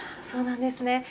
そうなんですね。